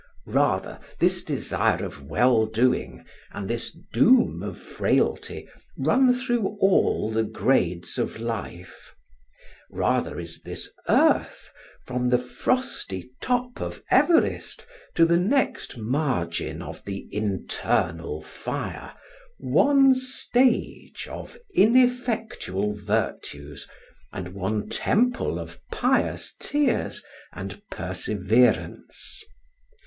Rather this desire of well doing and this doom of frailty run through all the grades of life: rather is this earth, from the frosty top of Everest to the next margin of the internal fire, one stage of ineffectual virtues and one temple of pious tears and perseverance.